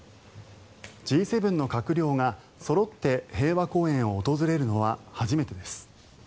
Ｇ７の閣僚がそろって平和公園を訪れるのは初めてです。